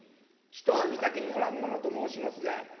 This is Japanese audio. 人は見かけによらんものと申しますが。